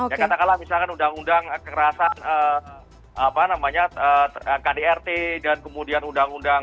ya katakanlah misalkan undang undang kekerasan kdrt dan kemudian undang undang